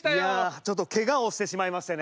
ちょっとケガをしてしまいましてね。